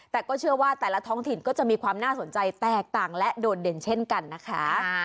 แต่ก็เชื่อว่าแต่ละท้องถิ่นก็จะมีความน่าสนใจแตกต่างและโดดเด่นเช่นกันนะคะ